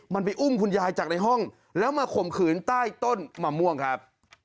มันไปอุ้มคุณยายจากในห้องแล้วมาข่มขืนใต้ต้นมะม่วงครับ